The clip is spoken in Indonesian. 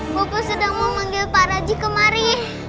bupu sedang mau panggil pak raji kemari